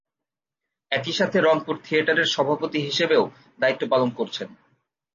একই সাথে রংপুর থিয়েটারের সভাপতি হিসেবেও দায়িত্ব পালন করছেন।